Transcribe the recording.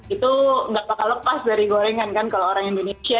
itu gak bakal lepas dari gorengan kan kalau orang indonesia